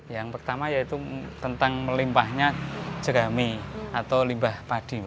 yang pertama yaitu tentang melimpahnya jerami atau limbah padi